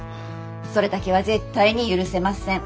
それだけは絶対に許せません。